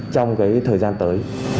trong thời gian tới